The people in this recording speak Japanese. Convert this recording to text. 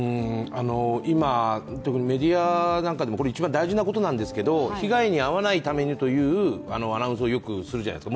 今、メディアなんかでも、これ一番大事なんですけれども被害に遭わないためにというアナウンスをよくするじゃないですか。